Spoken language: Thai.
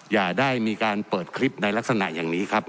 อย่าได้มีการเปิดคลิปในลักษณะอย่างนี้ครับ